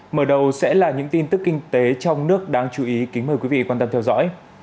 mở đầu sẽ là những tin tức kinh tế trong nước đáng chú ý kính mời quý vị quan tâm theo dõi